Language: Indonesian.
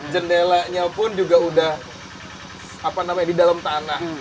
jendelanya pun juga udah di dalam tanah